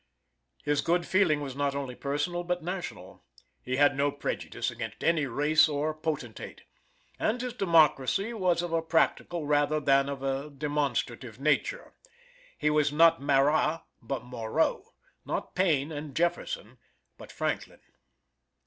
His good feeling was not only personal, but national. He had no prejudice against any race or potentate. And his democracy was of a practical, rather than of a demonstrative, nature. He was not Marat, but Moreau not Paine and Jefferson; but Franklin.